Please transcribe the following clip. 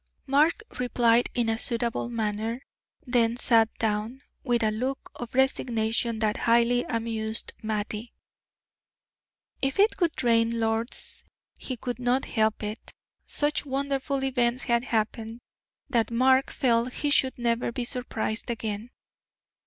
Mark replied in a suitable manner, then sat down, with a look of resignation that highly amused Mattie. If it would rain lords he could not help it. Such wonderful events had happened that Mark felt he should never be surprised again.